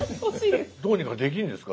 どうにかできるんですか？